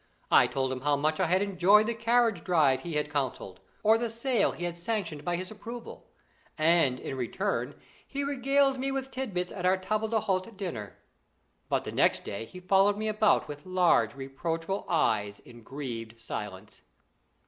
I told him how much I had enjoyed the carriage drive he had counselled, or the sail he had sanctioned by his approval; and, in return, he regaled me with titbits at our table d'hôte dinner. But the next day he followed me about with large, reproachful eyes, in grieved silence.